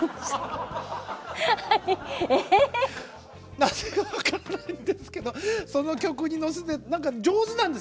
なぜか分かんないんですけどその曲に乗せて上手なんです。